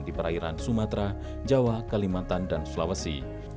di perairan sumatera jawa kalimantan dan sulawesi